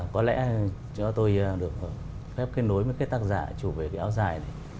có lẽ cho tôi được phép kết nối với cái tác giả chủ về cái áo dài này